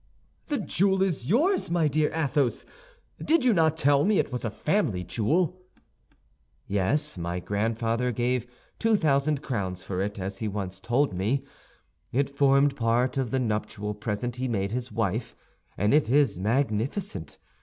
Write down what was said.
"The jewel is yours, my dear Athos! Did you not tell me it was a family jewel?" "Yes, my grandfather gave two thousand crowns for it, as he once told me. It formed part of the nuptial present he made his wife, and it is magnificent.